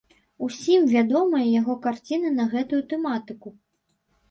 Усім вядомыя яго карціны на гэтую тэматыку.